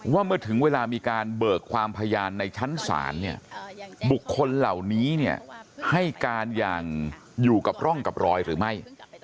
ว่าเมื่อถึงเวลามีการเบิกความพยานในชั้นศาลเนี่ยบุคคลเหล่านี้เนี่ยให้การอย่างอยู่กับร่องกับรอยหรือไม่